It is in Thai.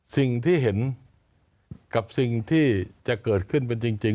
สิ่งที่เห็นกับสิ่งที่จะเกิดขึ้นเป็นจริง